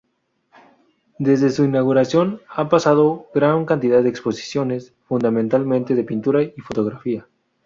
Desde su inauguración ha pasado gran cantidad de exposiciones, fundamentalmente de pintura y fotografía.